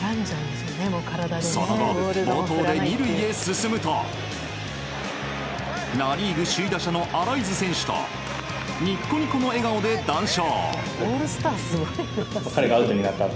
その後、暴投で２塁へ進むとナ・リーグ首位打者のアライズ選手とニッコニコの笑顔で談笑。